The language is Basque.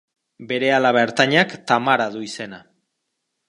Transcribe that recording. Bere alaba ertainak Tamara du izena.